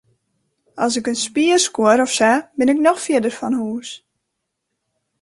As ik in spier skuor of sa, bin ik noch fierder fan hûs.